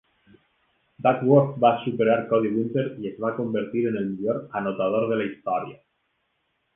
Duckworth va superar Cody Winter i es va convertir en el millor anotador de la història.